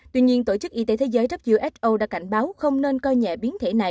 tuy nhiên tổ chức y tế thế giới who đã cảnh báo không nên coi nhẹ biến thể này